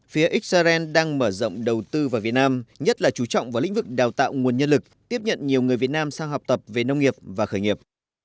phía israel đang mở rộng đầu tư vào việt nam nhất là chú trọng vào lĩnh vực đào tạo nguồn nhân lực tiếp nhận nhiều người việt nam sang học tập về nông nghiệp và khởi nghiệp